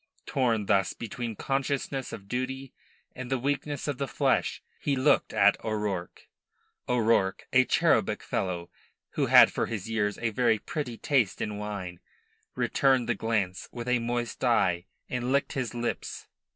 Torn thus between consciousness of duty and the weakness of the flesh, he looked at O'Rourke. O'Rourke, a cherubic fellow, who had for his years a very pretty taste in wine, returned the glance with a moist eye, and licked his lips.